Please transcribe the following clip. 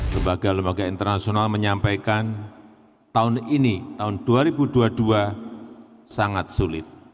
lembaga lembaga internasional menyampaikan tahun ini tahun dua ribu dua puluh dua sangat sulit